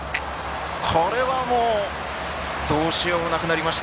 これはもうどうしようもなくなりました